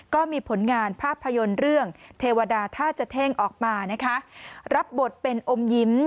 ก็มีผลงานภาพยนตร์เรื่องเทวดาท่าจะเท่งออกมานะคะรับบทเป็นอมยิ้ม